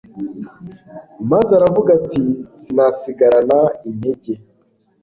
maze aravuga ati : "Sinasigarana intege,